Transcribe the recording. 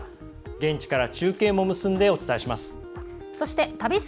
現地から中継も結んでお伝えします。